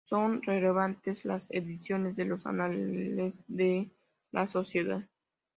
Son relevantes las ediciones de los Anales de la Sociedad.